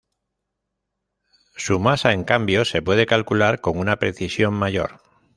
Su masa en cambio se puede calcular con una precisión mayor.